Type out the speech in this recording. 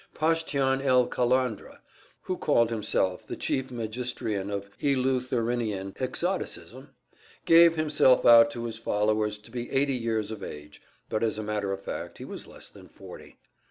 Pashtian el Kalandra, who called himself the Chief Magistrian of Eleutherinian Exoticism, gave himself out to his followers to be eighty years of age, but as a matter of fact he was less than forty.